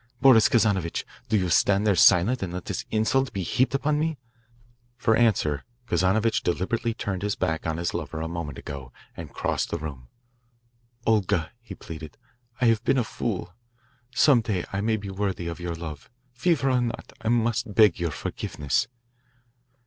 Boris Kazanovitch, do you stand there silent and let this insult be heaped upon me?" For answer, Kazanovitch deliberately turned his back on his lover of a moment ago and crossed the room. "Olga," he pleaded, "I have been a fool. Some day I may be worthy of your love. Fever or not, I must beg your forgiveness."